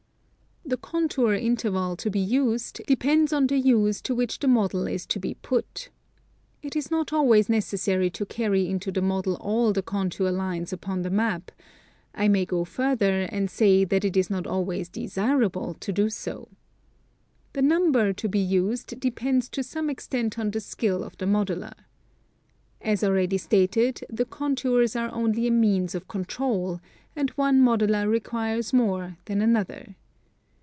The contour interval to be used depends on the use to which the model is to be put. It is not always necessary 'to carry into the model all the contour lines upon the map: I may go further and say, that it is not always desirable to do so. The number to be used depends to some extent on the skill of the modeler. As already stated, the contours are only a means of control, and one modeler requires more than another.